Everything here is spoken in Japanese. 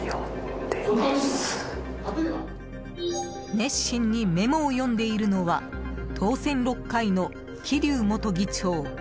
熱心にメモを読んでいるのは当選６回の桐生元議長。